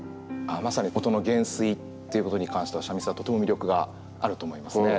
ああまさに音の減衰っていうことに関しては三味線はとても魅力があると思いますね。